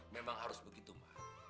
memang harus begitu ma